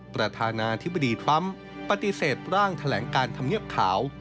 ประธานาธิบดีทรัมป์ปฏิเสธร่างแถลงการธรรมเนียบขาว